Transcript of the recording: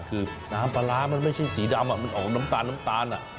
คือน้ำปลาร้ามันไม่ใช่สีดำอ่ะมันออกน้ำตาลอ่ะ